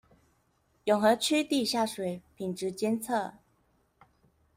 永和區地下水品質監測